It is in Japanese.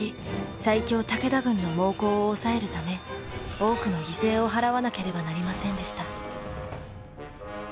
最強武田軍の猛攻を抑えるため多くの犠牲を払わなければなりませんでした。